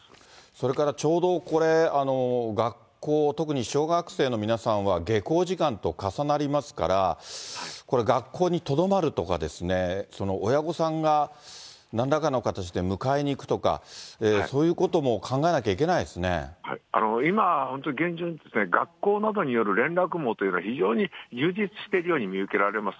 それからちょうどこれ、学校、特に小学生の皆さんは下校時間と重なりますから、これ、学校にとどまるとかですね、親御さんがなんらかの形で迎えに行くとか、そういうことも考えな今、本当に厳重に、学校などによる連絡網というのが、非常に充実しているように見受けられます。